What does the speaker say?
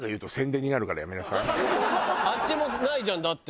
あっちもないじゃんだって。